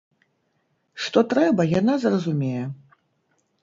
Што трэба яна зразумее.